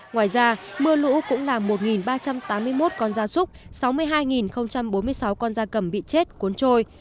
ngoài ra mưa lũ cũng làm một ba trăm tám mươi một con da súc sáu mươi hai bốn mươi sáu con da cầm bị chết cuốn trôi